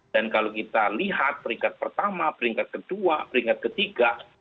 dan kalau kita lihat peringkat pertama peringkat kedua peringkat ketiga